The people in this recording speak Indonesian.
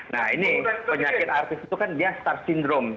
nah ini penyakit artis itu kan dia star syndrome